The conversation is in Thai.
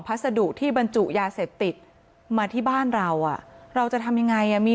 พัสดุที่บรรจุยาเสพติดมาที่บ้านเราอ่ะเราจะทำยังไงอ่ะมี